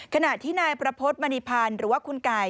ขณะที่นายประพฤติมณีพันธ์หรือว่าคุณไก่